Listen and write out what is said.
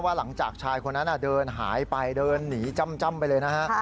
หลังจากชายคนนั้นเดินหายไปเดินหนีจ้ำไปเลยนะฮะ